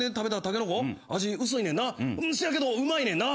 せやけどうまいねんな。